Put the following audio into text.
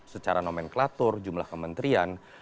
secara nomenklatur jumlah kementerian